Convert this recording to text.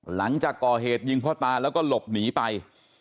หลังจากก่อเหตุยิงพ่อตาแล้วก็หลบหนีไป